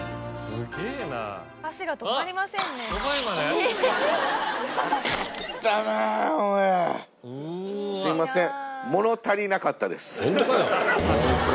すいません。